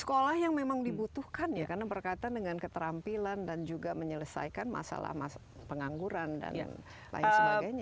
sekolah yang memang dibutuhkan ya karena berkaitan dengan keterampilan dan juga menyelesaikan masalah pengangguran dan lain sebagainya